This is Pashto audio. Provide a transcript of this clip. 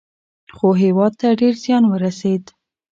خو هیواد ته ډیر زیان ورسېد.